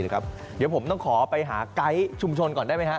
เดี๋ยวผมต้องขอไปหาไกด์ชุมชนก่อนได้ไหมฮะ